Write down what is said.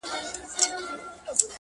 o پلار دزویه حرام غواړي نه شرمېږي,